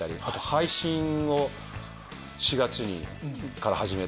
配信を４月から始めて。